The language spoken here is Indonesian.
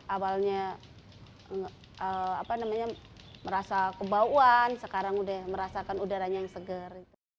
awalnya merasa kebauan sekarang udah merasakan udaranya yang segar